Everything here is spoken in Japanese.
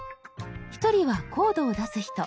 一人はコードを出す人。